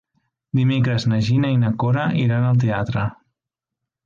Dimecres na Gina i na Cora iran al teatre.